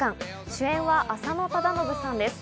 主演は浅野忠信さんです。